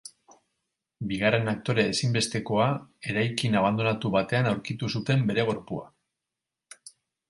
Bigarren aktore ezinbestekoa, eraikin abandonatu batean aurkitu zuten bere gorpua.